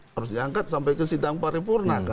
harus diangkat sampai ke sidang paripurna